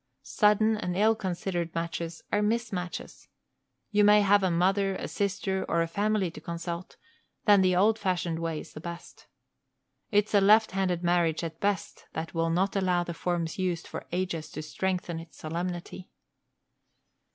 Sudden and ill considered matches are mismatches. You may have a mother, a sister, or a family to consult; then the old fashioned way is the best. It's a left handed marriage at best that will not allow the forms used for ages to strengthen its solemnity.